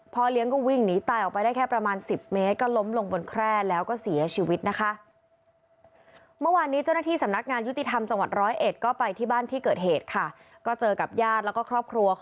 พ่อเลี้ยงก็วิ่งหนีตายออกไปได้แค่ประมาณ๑๐เมตร